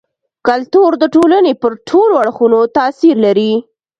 کلتور د ټولني پر ټولو اړخونو تاثير لري.